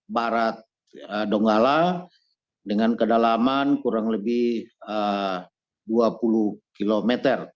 barat donggala dengan kedalaman kurang lebih dua puluh km